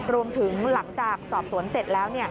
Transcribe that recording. รวมถึงหลังจากสอบสวนเสร็จแล้ว